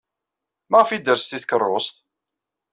Maɣef ay d-ters seg tkeṛṛust?